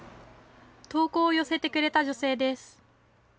投稿を寄せてくれた女性です。